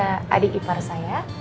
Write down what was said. dia adik ipar saya